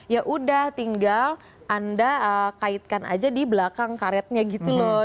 ya udah tinggal anda kaitkan aja di belakang karetnya gitu loh